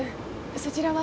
そちらは？